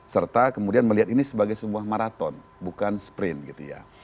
serta kemudian melihat ini sebagai sebuah maraton bukan sprint gitu ya